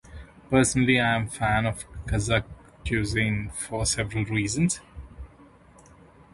Personally, I am a fan of Kazakh cuisine for several reasons.